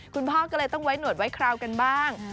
คุณพ่อก็เลยต้องไว้หนวดไว้คราวกันบ้าง